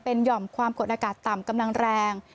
หย่อมความกดอากาศต่ำกำลังแรง